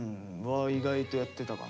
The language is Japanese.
意外とやってたかな。